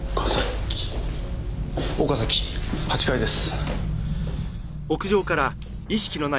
岡崎８階です。